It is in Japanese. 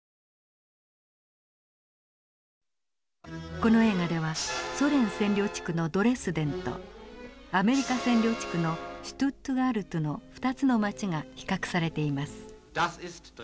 この映画ではソ連占領地区のドレスデンとアメリカ占領地区のシュトゥットガルトの２つの街が比較されています。